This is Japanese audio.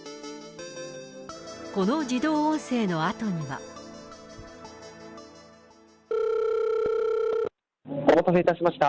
この自動音声のお待たせいたしました。